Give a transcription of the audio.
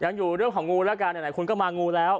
ยังอยู่เรื่องของงูแล้วกันไหนคุณก็มางูแล้ว